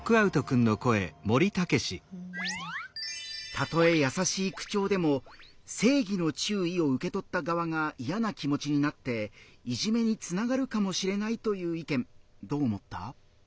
たとえ優しい口調でも「正義の注意」を受け取った側が嫌な気持ちになっていじめにつながるかもしれないという意見どう思った？